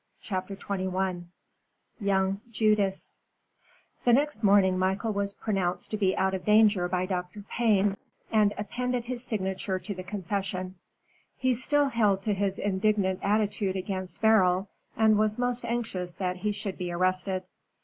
CHAPTER XXI YOUNG JUDAS The next morning Michael was pronounced to be out of danger by Dr. Payne, and appended his signature to the confession. He still held to his indignant attitude against Beryl, and was most anxious that he should be arrested.